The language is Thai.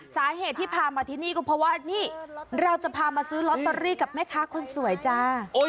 สาเหตุที่พามาที่นี่ก็เพราะว่านี่เราจะพามาซื้อลอตเตอรี่กับแม่ค้าคนสวยจ้า